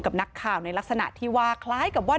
กับนักข่าวในลักษณะที่ว่าคล้ายกับว่า